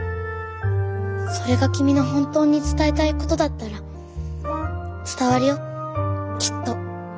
それが君の本当に伝えたいことだったら伝わるよきっと。